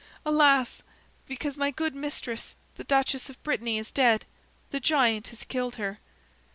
"Alas! Because my good mistress, the duchess of Brittany, is dead. The giant has killed her."